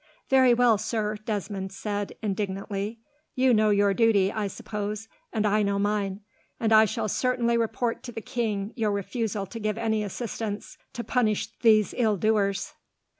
"Very well, sir," Desmond said, indignantly. "You know your duty, I suppose, and I know mine, and I shall certainly report to the king your refusal to give any assistance to punish these ill doers."